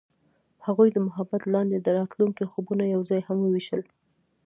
هغوی د محبت لاندې د راتلونکي خوبونه یوځای هم وویشل.